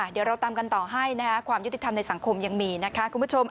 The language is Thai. เดี๋ยวเราตามกันต่อให้นะคะความยุติธรรมในสังคมยังมีนะคะคุณผู้ชม